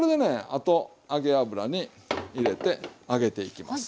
あと揚げ油に入れて揚げていきます。